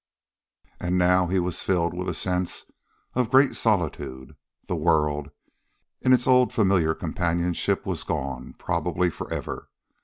And now he was filled with a sense of great solitude. The world, in its old, familiar companionship, was gone probably forever.